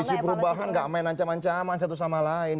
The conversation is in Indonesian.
koalisi perubahan gak main ancaman ancaman satu sama lain